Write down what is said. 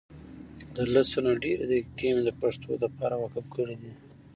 دلسونه ډیري دقیقی مي دپښتو دپاره وقف کړي دي